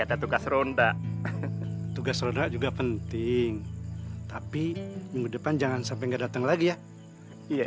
ada tugas roda tugas roda juga penting tapi minggu depan jangan sampai nggak datang lagi ya iya